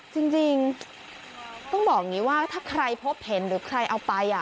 จริงต้องบอกอย่างนี้ว่าถ้าใครพบเห็นหรือใครเอาไป